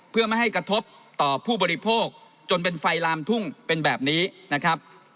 เพื่อไม่ให้กระทบต่อผู้บริโภคจนเป็นไฟลามทุ่งเป็นแบบนี้นะครับ